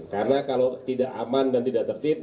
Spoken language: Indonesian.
karena kalau tidak aman dan tidak tertib